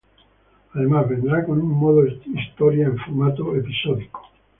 Además, vendrá con un modo historia en formato episódico.